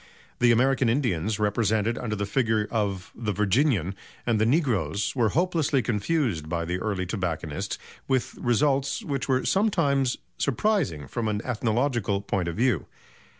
The American Indians, represented under the figure of "The Virginian," and the negroes were hopelessly confused by the early tobacconists, with results which were sometimes surprising from an ethnological point of view.